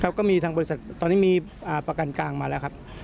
ก็มีทางบริษัทตอนนี้มีประกันกลางมาแล้วครับ